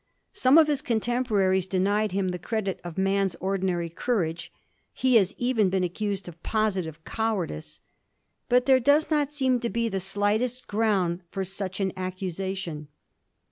Some of his contemporaries denied him the credit of man's ordinary courage ; he has even been accused of positive cowardice. But there does not seem to be the slightest gromid for such an accusation.